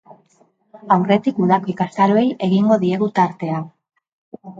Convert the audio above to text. Aurretik, udako ikastaroei egingo diegu tartea.